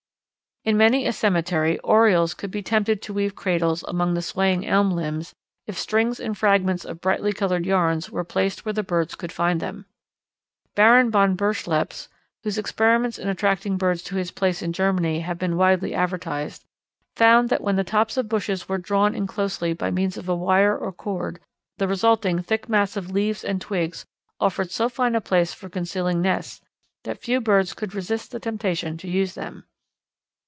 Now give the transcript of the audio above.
In many a cemetery Orioles could be tempted to weave cradles among the swaying elm limbs if strings and fragments of brightly coloured yarns were placed where the birds could find them. Baron von Berlepsch, whose experiments in attracting birds to his place in Germany have been widely advertised, found that when the tops of bushes were drawn in closely by means of a wire or cord, the resulting thick mass of leaves and twigs offered so fine a place for concealing nests that few birds could resist the temptation to use them.